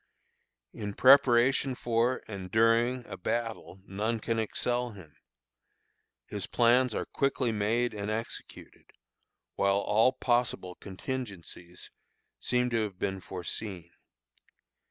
In preparation for, and during, a battle, none can excel him. His plans are quickly made and executed, while all possible contingencies seem to have been foreseen.